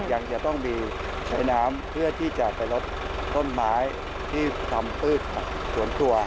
แต่ยังจะต้องมีใช้น้ำเพื่อที่จะไปรถต้นไม้ที่ทำตู้ดแบบสวนตัว